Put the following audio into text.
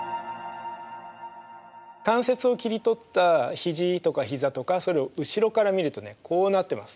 関節を切り取った肘とか膝とかそれを後ろから見るとねこうなってます。